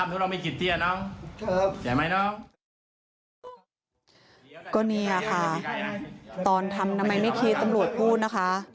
ก็นี้ค่ะตอนทำยากเวลาอายุครำไมไม่เคลียร์ตำรวจพูดนะคะ